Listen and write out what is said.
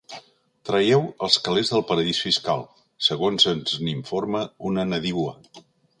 Traieu els calés del paradís fiscal, segons ens n'informa una nadiua.